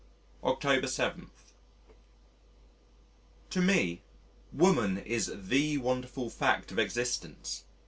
October 7. To me woman is the wonderful fact of existence.